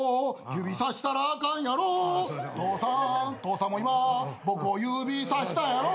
「指さしたらあかんやろ」「父さん父さんも今僕を指さしたやろ」